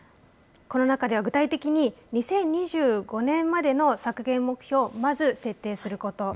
この中では、具体的に２０２５年までの削減目標をまず、設定すること。